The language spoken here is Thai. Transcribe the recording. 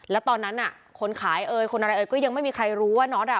แล้วตอนนั้นอ่ะคนขายเอ่ยคนอะไรเอ่ยก็ยังไม่มีใครรู้ว่าน็อตอ่ะ